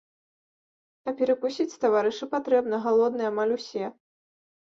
А перакусіць, таварышы, патрэбна, галодныя амаль усе.